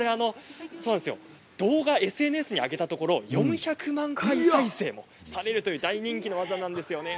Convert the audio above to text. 動画、ＳＮＳに上げたところ４００万回再生もされるという大人気の技なんですよね。